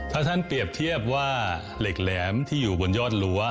ถ้าท่านเปรียบเทียบว่าเหล็กแหลมที่อยู่บนยอดรั้ว